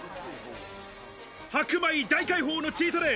白米大解放のチートデイ。